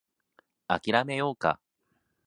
諦めようか